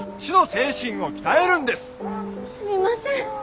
すみません。